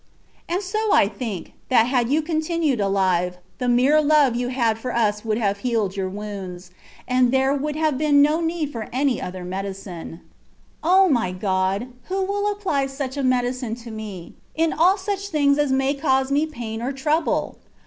And so I think, that had you continued alive, the mere love you had for us would have healed your wounds, and there would 76 THE WAY OF PERFECTION. have been no need of any other medicine. O my God ! who will apply such a medicine to me, in fdl such things as may cause me pain or trouble